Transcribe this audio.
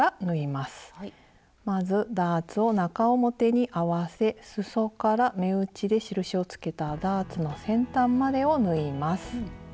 まずダーツを中表に合わせすそから目打ちで印をつけたダーツの先端までを縫います。